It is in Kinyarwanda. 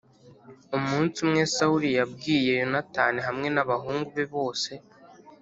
Umunsi umwe Sawuli yabwiye Yonatani hamwe n abagaragu be bose